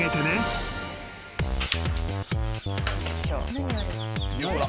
何あれ？